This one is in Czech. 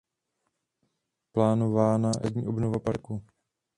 Plánována je zásadní obnova parku.